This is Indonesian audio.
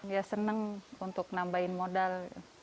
ya seneng untuk nambahin modal